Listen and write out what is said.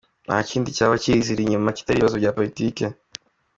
Nta kindi cyaba kiziri inyuma kitari ibibazo bya politiki.